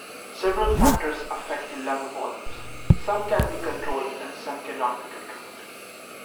Several factors affect lung volumes; some can be controlled and some cannot be controlled.